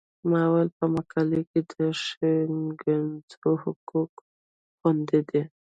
ما ویل په مقالو کې د ښکنځلو حقوق خوندي دي.